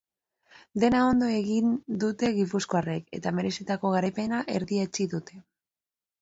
Dena ondo egin dute gipuzkoarrek eta merezitako garaipena erdietsi dute.